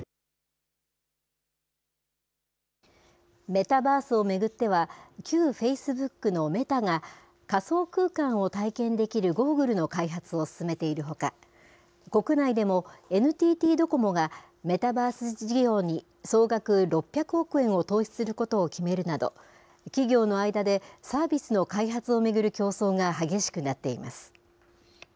メタバースを巡っては、旧フェイスブックのメタが、仮想空間を体験できるゴーグルの開発を進めているほか、国内でもＮＴＴドコモが、メタバース事業に総額６００億円を投資することを決めるなど、企業の間でサービスの開発を巡る競争が激しくなっています。